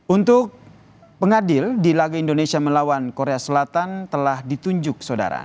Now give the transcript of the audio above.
untuk pengadil di laga indonesia melawan korea selatan telah ditunjuk saudara